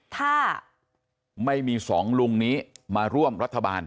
ถ้าไม่มีสองลุงนี้มาร่วมรัฐบาล